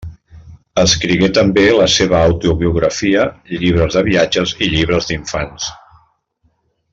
Escrigué també la seva autobiografia, llibres de viatges i llibres d'infants.